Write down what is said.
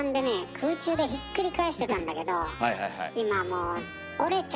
空中でひっくり返してたんだけど今もう折れちゃうね。